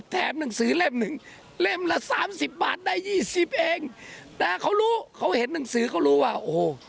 ๕๐แถมหนังสือเล่มหนึ่งเล่มละ๓๐บาทได้๒๐เองนะครับเขารู้เขาเห็นหนังสือเขารู้ว่าโอ้โห